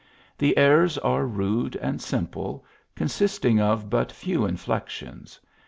The airs are rude and simple, consisting of but few inflexions.